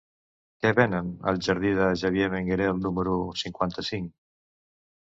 Què venen al jardí de Xavier Benguerel número cinquanta-cinc?